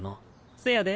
せやで。